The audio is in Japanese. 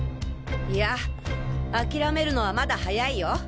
いや諦めるのはまだ早いよ。